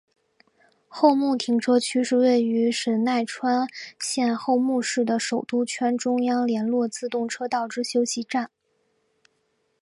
厚木停车区是位于神奈川县厚木市的首都圈中央连络自动车道之休息站。